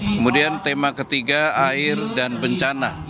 kemudian tema ketiga air dan bencana